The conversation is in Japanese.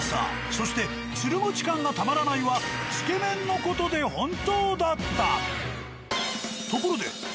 そして「ツルモチ感がたまらない」はつけ麺の事で本当だった。